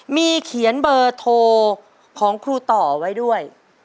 มีเขียนเบอร์โทรของครูต่อไว้ด้วย